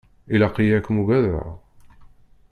Ilaq-iyi ad kem-agadeɣ?